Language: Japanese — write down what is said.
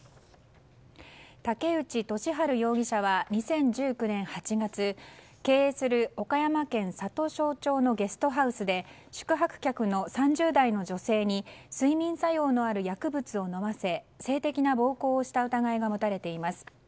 武内俊晴容疑者は２０１９年８月経営する岡山県里庄町のゲストハウスで宿泊客の３０代の女性に睡眠作用のある薬物を飲ませ性的な暴行をした疑いが持たれています。